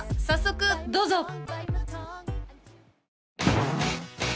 早速どうぞ！